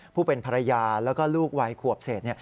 ผู้เป็นภรรยาแล้วก็ลูกวัยขวบเศษ